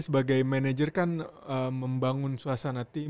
sebagai manajer kan membangun suasana tim